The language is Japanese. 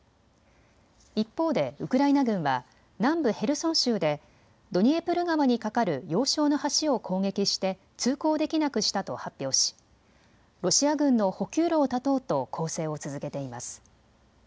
一方でウクライナ軍は南部ヘルソン州でドニエプル川に架かる要衝の橋を攻撃して通行できなくしたと発表しロシア軍の補給路を断とうと攻勢を続けています。